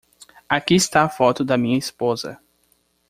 Aqui está a foto da minha esposa.